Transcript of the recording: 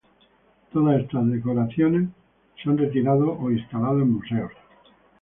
Todas estas decoraciones se han retirado o instalado en museos.